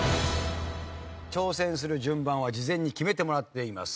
挑戦する順番は事前に決めてもらっています。